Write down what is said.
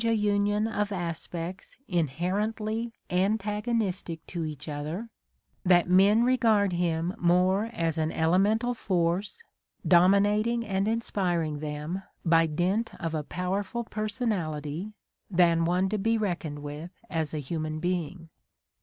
a union of aspects inherently antagonistic to each other, that men regard him more as an elemental force, dominating and inspiring them by dint of a powerful personality, than one to be reckoned with as a human being.